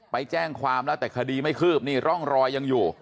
ไปแจ้งความแล้วแต่คดีไม่คืบนี่ร่องรอยยังอยู่